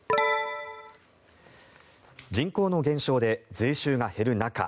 人口の減少で税収が減る中